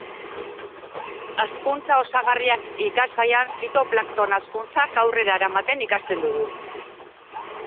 Hazkuntza osagarriak ikasgaian fitoplakton hazkuntzak aurrera eramaten ikasten dugu